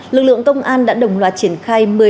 lực lượng công an đã đồng loạt triển khai